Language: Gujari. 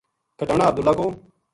کھٹانہ عبداللہ کو